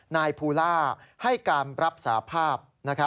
นายภูล่าให้การรับสาภาพ